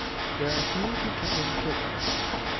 There are few who can interpret it.